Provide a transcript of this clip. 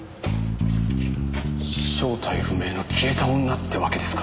正体不明の消えた女ってわけですか？